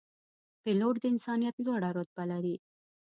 پیلوټ د انسانیت لوړه رتبه لري.